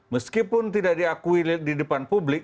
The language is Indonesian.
meskipun tidak diakui di depan publik